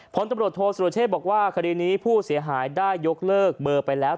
ผลตำรวจโทษสุรเชษบอกว่าคดีนี้ผู้เสียหายได้ยกเลิกเบอร์ไปแล้ว